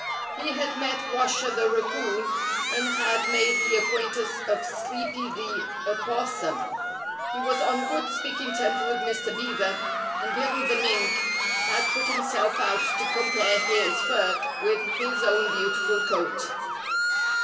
He had met Washer the Raccoon, and had made the acquaintance of Sleepy the Opos sum. He was on good speaking terms with Mr. Beaver, and Billy the Mink had put himself out to compare his fur with his own beautiful coat.